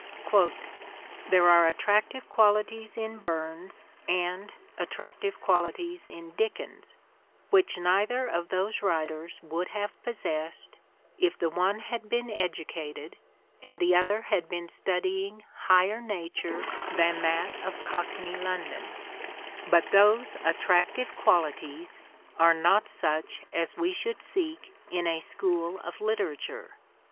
" There are attractive qualities in Burns and attractive qualities in Dickens, which neither of those writers would have possessed, if the one had been educated and the other had been studying higher nature than that of Cockney London ; but those attractive qualities are not such as we should seek in a school of literature.